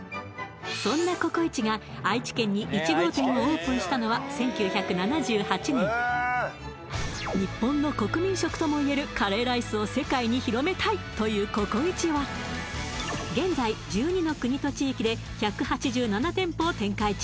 そんなココイチが愛知県に１号店をオープンしたのは１９７８年日本の国民食ともいえるカレーライスを世界に広めたいというココイチは現在１２の国と地域で１８７店舗を展開中